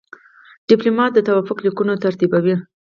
ډيپلومات د توافق لیکونه ترتیبوي.